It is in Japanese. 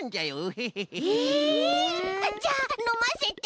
へえじゃあのませて！